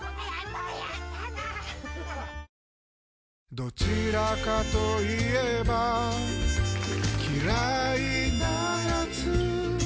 どちらかと言えば嫌いなやつ